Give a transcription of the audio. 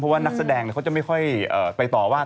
เพราะว่านักแสดงเขาจะไม่ค่อยไปต่อว่า